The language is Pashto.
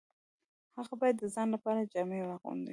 هغه باید د ځان لپاره جامې واغوندي